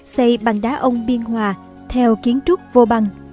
xây bằng đá ông biên hòa theo kiến trúc vô băng